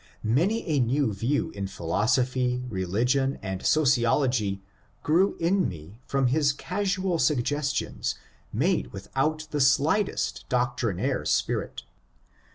Many a new view in philosophy, religion, and sociology grew in me from his casual suggestions made without the slightest doctrinaire spirit.